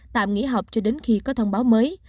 tạm nghỉ học cho đến khi có thông báo mới